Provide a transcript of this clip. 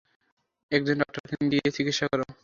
একজন ডাক্তারকে দিয়ে চিকিৎসা করাও।